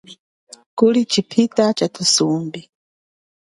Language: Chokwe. Kuli chipita cha thusumbi.